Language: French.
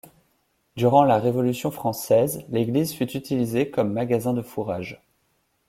Durant la Révolution française, l'église fut utilisée comme magasin de fourrage.